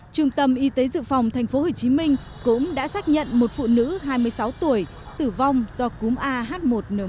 trung tâm y tế dự phòng thành phố hồ chí minh cũng đã xác nhận một phụ nữ hai mươi sáu tuổi tử vong do cúm ah một n một